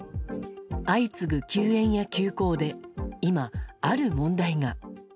相次ぐ休園や休校で、今、ある問題が。